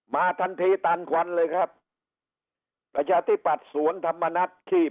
มาทันทีตานควันเลยครับประชาธิปัตย์สวนธรรมนัดขี้แพ้ชวนตี